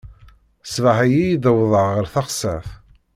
Ṣṣbeḥ-ayi i d-wwḍeɣ ɣer teɣsert.